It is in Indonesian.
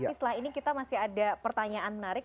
tapi setelah ini kita masih ada pertanyaan menarik